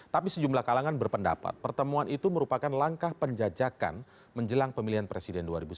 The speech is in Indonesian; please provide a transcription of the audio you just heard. tapi sejumlah kalangan berpendapat pertemuan itu merupakan langkah penjajakan menjelang pemilihan presiden dua ribu sembilan belas